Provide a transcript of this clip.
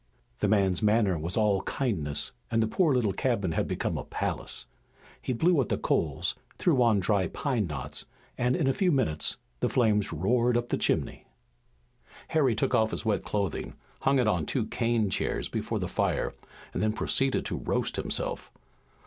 The man's manner was all kindness, and the poor little cabin had become a palace. He blew at the coals, threw on dry pine knots, and in a few minutes the flames roared up the chimney. Harry took off his wet clothing, hung it on two cane chairs before the fire and then proceeded to roast himself.